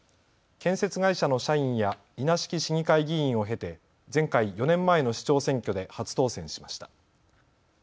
建設会社の社員や稲敷市議会議員を経て前回・４年前の市長選挙で初当選しました。